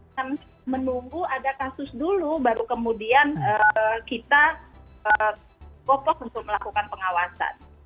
dan menunggu ada kasus dulu baru kemudian kita popos untuk melakukan pengawasan